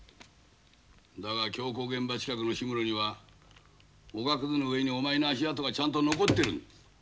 だが凶行現場近くの氷室にはおがくずの上にお前の足跡がちゃんと残ってるんだ。